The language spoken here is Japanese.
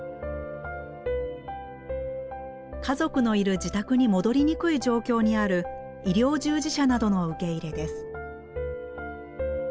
家族のいる自宅に戻りにくい状況にある医療従事者などの受け入れです。